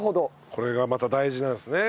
これがまた大事なんですね。